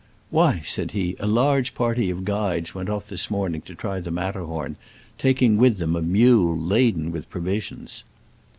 '* Why," said he, *' a large party of guides went off this morn ing to try the Matterhorn, taking >yith them a mule laden with provisions."